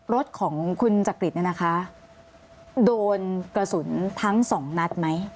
รถของคุณจักริตเนี่ยนะคะโดนกระสุนทั้งสองนัดไหม